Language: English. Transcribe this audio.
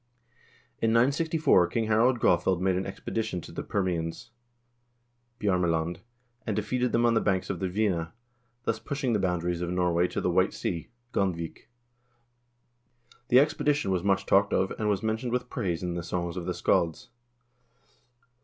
In 964 King Harald Graafeld made an expedition to the Permians (Bjarmeland), and defeated them on the banks of the Dvina, thus pushing the boundaries of Norway to the White Sea (Gandvik). The expedition was much talked of, and was mentioned with praise in the songs of the scalds.